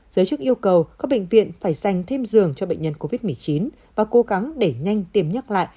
giới chức yêu cầu các bệnh viện phải dành thêm giường cho bệnh nhân covid một mươi chín và cố gắng để nhanh tiêm nhắc lại